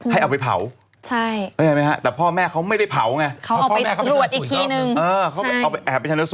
ให้เอาไปเผาใช่พอได้มั๊ยคะแต่พ่อแม่เขาไม่ได้เผาไง